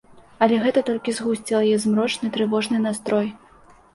Але гэта толькі згусціла яе змрочны, трывожны настрой.